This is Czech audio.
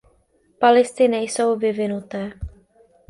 Palisty nejsou vyvinuté.